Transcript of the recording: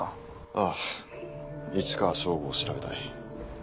ああ市川省吾を調べたい。